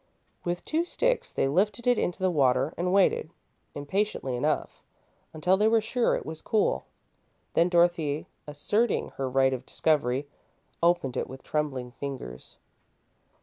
With two sticks they lifted it into the water and waited, impatiently enough, until they were sure it was cool. Then Dorothy, asserting her right of discovery, opened it with trembling fingers.